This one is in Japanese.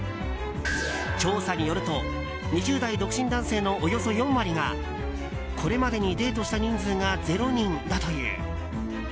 調査によると、２０代独身男性のおよそ４割がこれまでにデートした人数が０人だという。